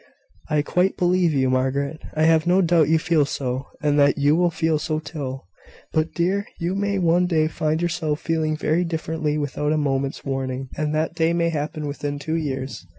"I quite believe you, Margaret. I have no doubt you feel so, and that you will feel so till . But, dear, you may one day find yourself feeling very differently without a moment's warning; and that day may happen within two years.